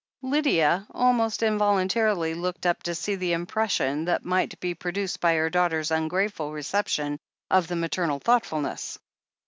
Lydia almost involuntarily looked up to see the im pression that might be produced by her daughter's ungrateful reception of the maternal thoughtfulness.